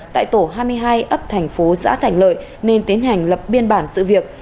tại tổ hai mươi hai ấp thành phố xã thành lợi nên tiến hành lập biên bản sự việc